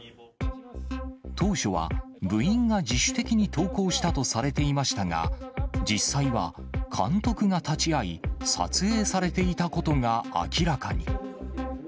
当初は、部員が自主的に投稿したとされていましたが、実際は監督が立ち会い、撮影されていたことが明らかに。